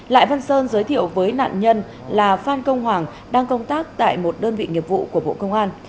lại văn sơn giới thiệu với nạn nhân là phan công hoàng đang công tác tại một đơn vị nghiệp vụ của bộ công an